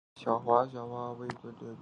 小花荛花为瑞香科荛花属下的一个种。